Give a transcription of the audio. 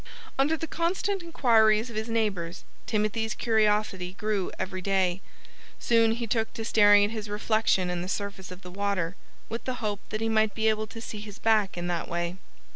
Under the constant inquiries of his neighbors Timothy's curiosity grew every day. Soon he took to staring at his reflection in the surface of the water, with the hope that he might be able to see his back in that way.